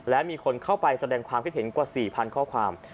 และมีคนเข้าไปแสดงความคิดเห็นกว่า๔๐๐ข้อความ